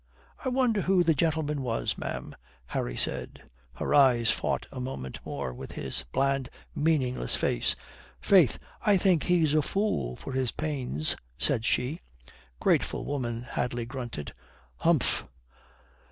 "I wonder who the gentleman was, ma'am," Harry said. Her eyes fought a moment more with his bland, meaningless face. "Faith, I think he's a fool for his pains," said she. "Grateful woman," Hadley grunted. "Humph.